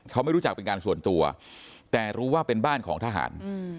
เขาไม่รู้จักเป็นการส่วนตัวแต่รู้ว่าเป็นบ้านของทหาร